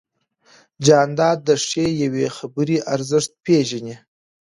جانداد د ښې یوې خبرې ارزښت پېژني.